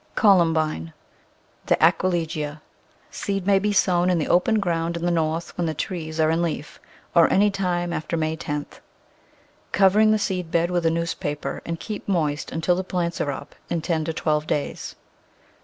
Columbine (the Aquilegia) seed may be sown in the open ground in the North when the trees are in leaf, or any time after May ioth. Cover the seed bed with a newspaper and keep moist until the plants are up, in ten to twelve days.